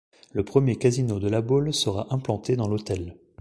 Le premier casino de La Baule sera implanté dans l'hôtel.